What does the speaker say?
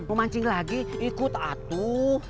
mau mancing lagi ikut atuh